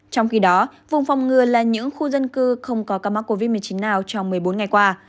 trong khi đó vùng phòng ngừa là những khu dân cư không có ca mắc covid một mươi chín nào trong một mươi bốn ngày qua